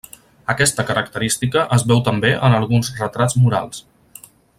Aquesta característica es veu també en alguns retrats murals.